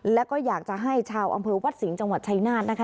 แล้วก็อยากจะให้ชาวอำเภอวัดสิงห์จังหวัดชายนาฏนะคะ